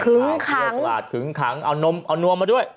แถลงข่าวขึ้นขังเอานมเอานวมมาด้วย